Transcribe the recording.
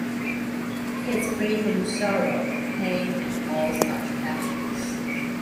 He is free from sorrow, pain, and all such affections.